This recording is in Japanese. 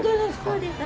そうです。